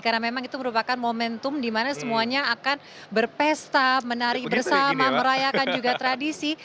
karena memang itu merupakan momentum dimana semuanya akan berpesta menari bersama merayakan juga tradisi